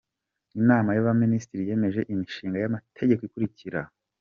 Inama y’Abaminisitiri yemeje Imishinga y’Amategeko ikurikira: